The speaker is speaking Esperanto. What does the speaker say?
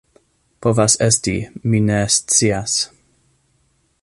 Povas esti, mi ne scias.